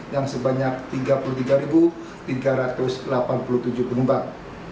yang sebanyak tiga puluh tiga tiga ratus delapan puluh tujuh penumpang